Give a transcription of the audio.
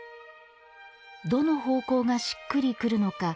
どの方向がしっくりくるのか。